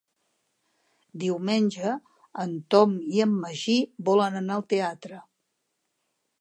Diumenge en Tom i en Magí volen anar al teatre.